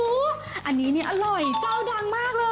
อันนี้นี่อร่อยเจ้าดังมากเลย